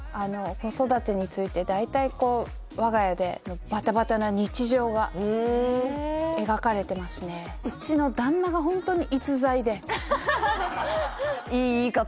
子育てについて大体こう我が家でのバタバタな日常が描かれてますねうちのいい言い方